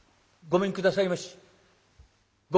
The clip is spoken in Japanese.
ごめんくださいまし！」。